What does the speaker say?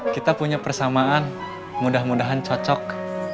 kita punya persamaan mudah mudahan cocok